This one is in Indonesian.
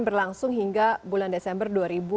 berlangsung hingga bulan desember dua ribu dua puluh